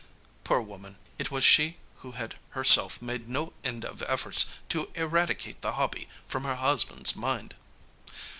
Poor woman! it was she who had herself made no end of efforts to eradicate the hobby from her husband's mind.